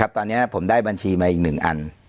ตอนนี้ผมได้บัญชีมาอีก๑อัน